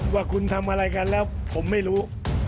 ว่าคุณทำอะไรกันแล้วผมไม่รู้